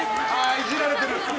いじられてる。